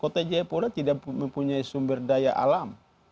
kota jayapura tidak mempunyai sumber daya alam